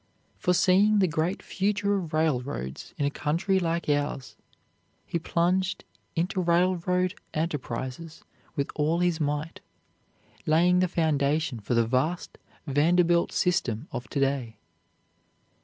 Foreseeing the great future of railroads in a country like ours, he plunged into railroad enterprises with all his might, laying the foundation for the vast Vanderbilt system of to day.